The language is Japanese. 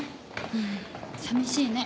うん寂しいね。